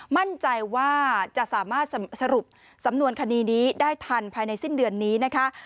มั่นใจว่าจะสามารถสรุปสำนวนคดีนี้ได้ทันภายในสิ้นเดือนนี้นะคะ